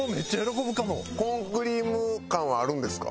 コーンクリーム感はあるんですか？